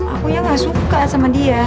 akunya gak suka sama dia